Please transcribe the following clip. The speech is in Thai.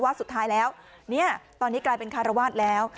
ว่าสุดท้ายแล้วเนี่ยตอนนี้กลายเป็นคารวาสแล้ว